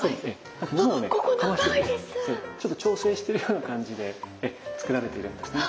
ちょっと調整してるような感じでつくられているんですね。